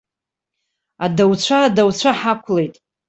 Адауцәа, адауцәа ҳақәлеит!